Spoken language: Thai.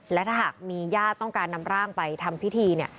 และถ้าหากมีญาติต้องการนำร่างไปทำพิธีเนี่ย